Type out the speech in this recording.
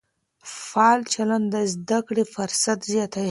فعال چلند د زده کړې فرصت زیاتوي.